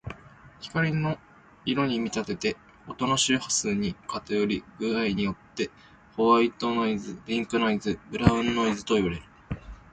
光の色に見立てて、音の周波数の偏り具合によってホワイトノイズ、ピンクノイズ、ブラウンノイズなどといわれる。